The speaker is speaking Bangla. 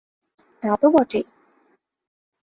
তা তো বটেই।